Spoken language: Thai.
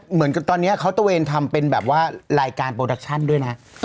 เหมือนตอนนี้เค้าตัวเองทำเป็นรายการโปรดัคชั่นด้วยนะ